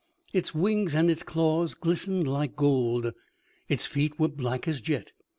Its wings and its claws glistened like gold. Its feet were black as jet.